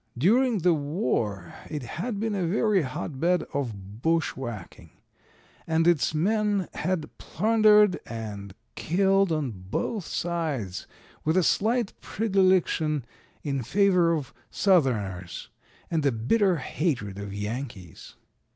During the war it had been a very hot bed of bushwhacking, and its men had plundered and killed on both sides, with a slight predilection in favor of Southerners and a bitter hatred of Yankees.